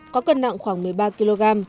có cân nặng khoảng một mươi ba kg